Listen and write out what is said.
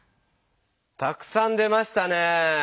たくさん出ましたね。